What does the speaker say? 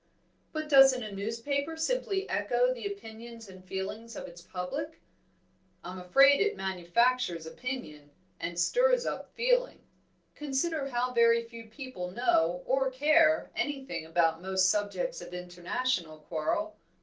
"But doesn't a newspaper simply echo the opinions and feelings of its public?" "I'm afraid it manufactures opinion, and stirs up feeling. Consider how very few people know or care anything about most subjects of international quarrel.